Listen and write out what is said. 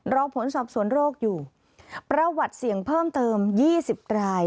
รอผลสอบสวนโรคอยู่ประวัติเสี่ยงเพิ่มเติม๒๐ราย